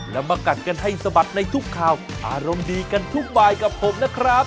แล้วมากัดกันให้สะบัดในทุกข่าวอารมณ์ดีกันทุกบายกับผมนะครับ